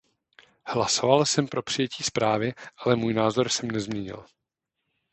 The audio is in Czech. Hlasoval jsem pro přijetí zprávy, ale svůj názor jsem nezměnil.